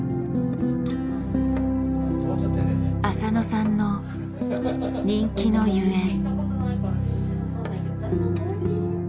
浅野さんの人気のゆえん。